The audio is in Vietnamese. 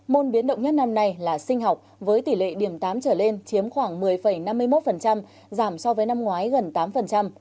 môn biến động nhất năm nay là sinh học với tỷ lệ điểm tám trở lên chiếm khoảng một mươi năm mươi một giảm so với năm ngoái gần tám